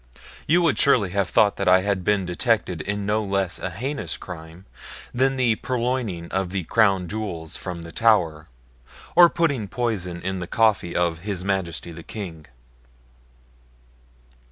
You would surely have thought that I had been detected in no less a heinous crime than the purloining of the Crown Jewels from the Tower, or putting poison in the coffee of His Majesty the King.